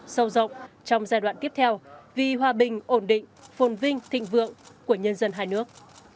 sâu rộng trong giai đoạn tiếp theo vì hòa bình ổn định phồn vinh thịnh vượng của nhân dân hai nước